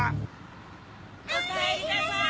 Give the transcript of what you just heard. おかえりなさい！